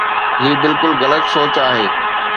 هي بلڪل غلط سوچ آهي.